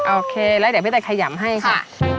โอเคแล้วเดี๋ยวพี่จะขยำให้ค่ะ